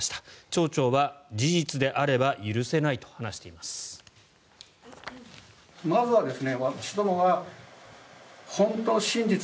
町長は事実であれば許せないと話しています。